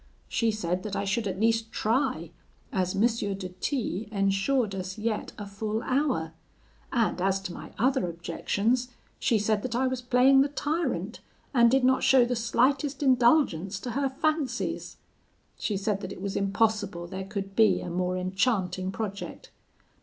She said that I should at least try, as M. de T ensured us yet a full hour; and as to my other objections, she said that I was playing the tyrant, and did not show the slightest indulgence to her fancies. She said that it was impossible there could be a more enchanting project.